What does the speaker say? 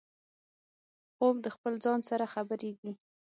خوب د خپل ځان سره خبرې دي